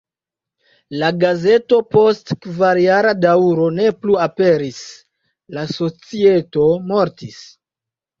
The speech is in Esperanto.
La gazeto post kvarjara daŭro ne plu aperis, la societo mortis.